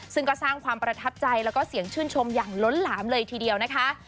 ซึ่งก็สร้างความประทับใจแล้วก็เสียงชื่นชมอย่างล้นหลามเลยทีเดียวนะคะ